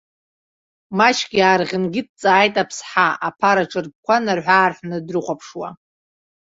Маҷк иаарӷьынгьы дҵааит аԥсҳа, аԥара ҿырпқәа нарҳә-аарҳәны дрыхәаԥшуа.